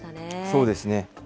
そうですね。